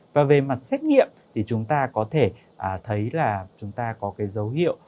và về mặt xét nghiệm thì chúng ta có thể thấy là chúng ta có cái dấu hiệu